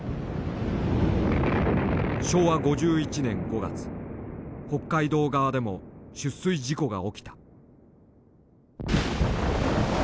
昭和５１年５月北海道側でも出水事故が起きた。